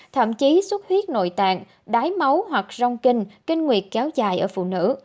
thậm chí sốt huyết nội tạng đáy máu hoặc rong kinh kinh nguyệt kéo dài ở phụ nữ